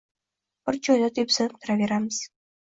bir joyda depsinib turaveramiz